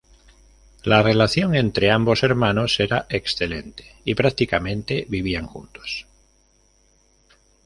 La relación entre ambos hermanos era excelente y prácticamente vivían juntos.